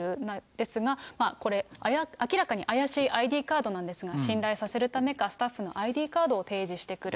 ですが、これ、明らかに怪しいＩＤカードなんですが、信頼させるためか、スタッフのＩＤカードを提示してくる。